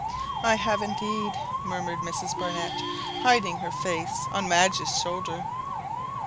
"I have indeed," murmured Mrs Barnett, hiding her face on Madge's shoulder.